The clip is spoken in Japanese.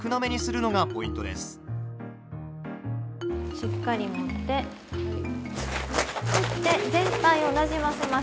しっかり持ってふって全体をなじませます。